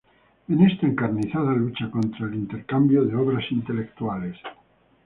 En esta encarnizada lucha contra el intercambio de obras intelectuales